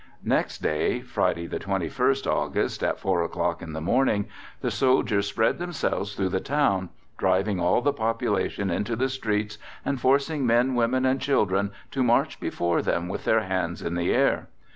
Next day, Friday, the 21st August, at 4 o'clock in the morning, the soldiers spread themselves through the Town, driving all the population into the streets and forcing men, women and children to march before them with their hands in the air.